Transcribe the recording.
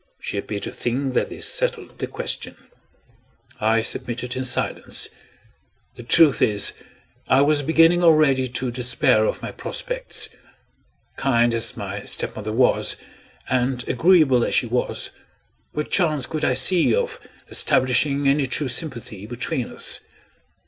She appeared to think that this settled the question. I submitted in silence; the truth is, I was beginning already to despair of my prospects. Kind as my stepmother was, and agreeable as she was, what chance could I see of establishing any true sympathy between us?